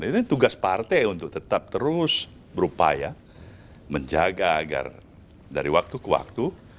ini tugas partai untuk tetap terus berupaya menjaga agar dari waktu ke waktu